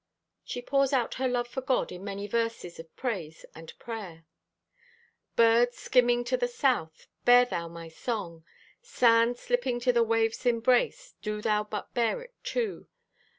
She pours out her love for God in many verses of praise and prayer. Bird skimming to the south, Bear thou my song, Sand slipping to the wave's embrace, Do thou but bear it too!